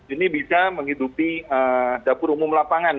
ini bisa menghidupi dapur umum lapangan